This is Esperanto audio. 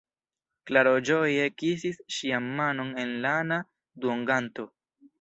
Klaro ĝoje kisis ŝian manon en lana duonganto.